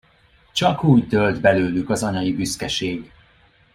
Csak úgy dőlt belőlük az anyai büszkeség.